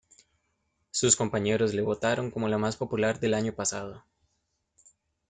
Sus compañeros le votaron como la más popular del año pasado.